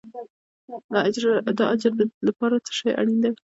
د اجر لپاره څه شی اړین دی؟